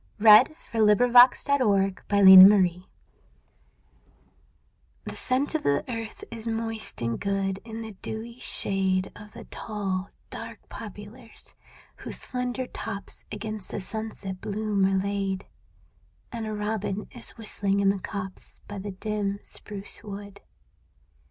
104 TWILIGHT IN THE GARDEN The scent of the earth is moist and good In the dewy shade Of the tall, dark poplars whose slender tops Against the sunset bloom are laid, And a robin is whistling in the copse By the dim spruce wood.